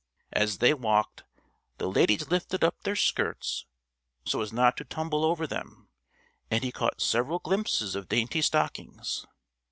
As they walked the ladies lifted up their skirts so as not to tumble over them, and he caught several glimpses of dainty stockings.